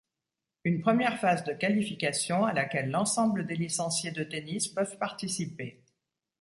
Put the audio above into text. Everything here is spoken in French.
Une première phase de qualification à laquelle l'ensemble des licenciés de tennis peuvent participer.